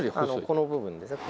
この部分ですね。